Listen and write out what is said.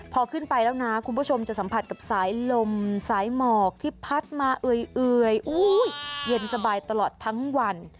พอขึ้นไปแล้วนะคุณผู้ชมจะสัมผัสกับสายลมสายหมอกที่พัดมาเอ่ยเย็นสบายตลอดทั้งวัน